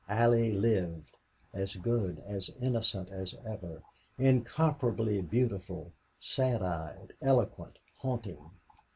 Allie lived as good, as innocent as ever, incomparably beautiful sad eyed, eloquent, haunting.